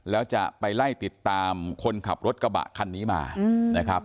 แล้วจะไปไล่ติดตามคนขับรถกระบะคันนี้มานะครับ